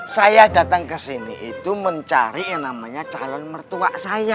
saya datang ke sini itu mencari yang namanya calon mertua saya